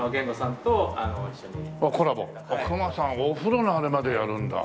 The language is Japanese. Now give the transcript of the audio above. お風呂のあれまでやるんだ。